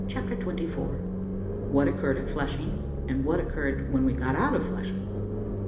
CHAPTER TWENTY FOUR. WHAT OCCURRED AT FLUSHING, AND WHAT OCCURRED WHEN WE GOT OUT OF FLUSHING.